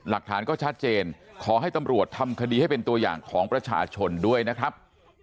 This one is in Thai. หลักฐานก็ชัดเจนขอให้ตำรวจทำคดีให้เป็นตัวอย่างของประชาชนด้วยนะครับ